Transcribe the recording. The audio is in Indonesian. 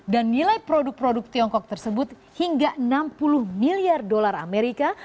dan nilai produk produk tiongkok tersebut hingga enam puluh miliar dolar amerika